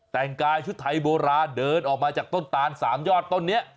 แต่งกายชุดไทยโบราณเดินออกมาจากต้นตานสามยอดต้นนี้